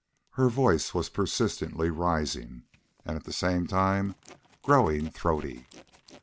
Her voice was persistently rising and at the same time growing throaty.